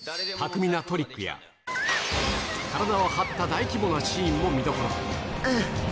巧みなトリックや、体を張った大規模なシーンも見どころ。